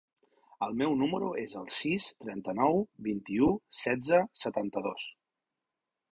El meu número es el sis, trenta-nou, vint-i-u, setze, setanta-dos.